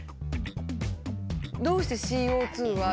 どうしてＣＯは。